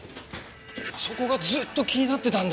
そこがずっと気になってたんだよね。